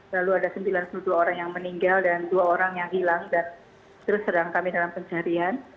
lalu ada sembilan puluh dua orang yang meninggal dan dua orang yang hilang dan terus sedang kami dalam pencarian